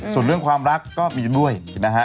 ส่วนเรื่องความรักก็มีด้วยนะฮะ